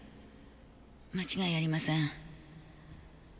間違いありません。